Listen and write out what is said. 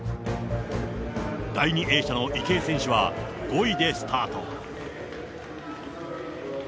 第２泳者の池江選手は、５位でスタート。